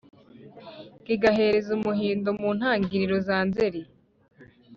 kigahereza Umuhindo mu ntangiriro za Nzeri.